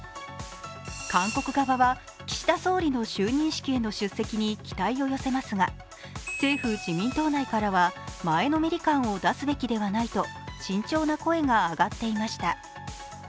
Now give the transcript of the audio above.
韓国側は、岸田総理の就任式への出席に期待を寄せますが政府・自民党内からは前のめり感を出すべきではないと慎重な声が上っていました。